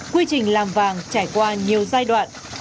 quy trình làm vàng trải qua nhiều giai đoạn